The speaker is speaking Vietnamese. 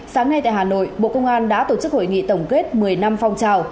sáng nay tại hà nội bộ công an đã tổ chức hội nghị tổng kết một mươi năm phong trào